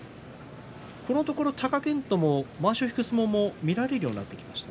このところ貴健斗もまわしを引く相撲が見られるようになってきました。